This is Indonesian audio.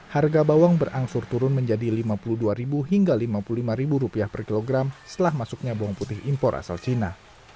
harga bawang berangsur turun menjadi rp lima puluh dua hingga rp lima puluh lima per kilogram setelah masuknya bawang putih impor asal cina